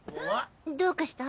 どうかした？